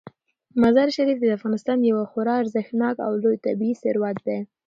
مزارشریف د افغانستان یو خورا ارزښتناک او لوی طبعي ثروت دی.